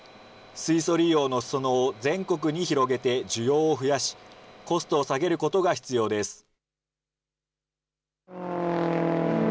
水素利用のすそ野を全国に広げて需要を増やし、コストを下げることが必要です。